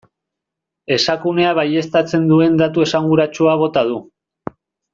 Esakunea baieztatzen duen datu esanguratsua bota du.